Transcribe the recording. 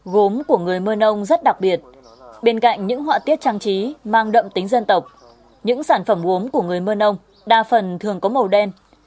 gốm của người mân âu rất đặc biệt bên cạnh những họa tiết trang trí mang đậm tính dân tộc những sản phẩm gốm của người mân âu đa phần thường có màu đen